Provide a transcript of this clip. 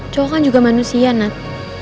cowok kan juga manusia nak